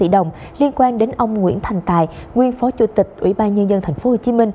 đồng liên quan đến ông nguyễn thành tài nguyên phó chủ tịch ủy ban nhân dân tp hcm